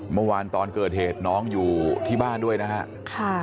เมื่อวานตอนเกิดเหตุน้องอยู่ที่บ้านด้วยนะครับ